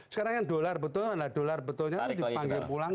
sekarang yang dolar betul dolar betulnya dipanggil pulang